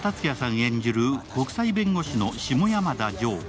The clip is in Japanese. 演じる国際弁護士の下山田譲。